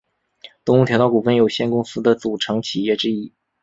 东武铁道股份有限公司的组成企业之一。